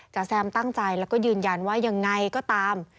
แซมตั้งใจแล้วก็ยืนยันว่ายังไงก็ตาม